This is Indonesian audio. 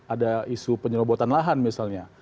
ada isu penyerobotan lahan misalnya